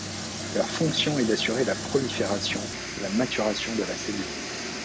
Leur fonction est d'assurer la prolifération, la maturation de la cellule.